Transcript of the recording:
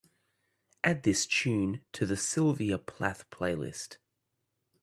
Add this tune to the sylvia plath playlist